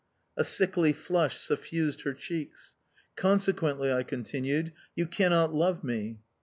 A sickly flush suffused her cheeks. "Consequently," I continued, "you cannot love me"...